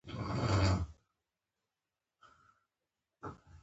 هغه د روسیې لمنې ته لوېدلي وه.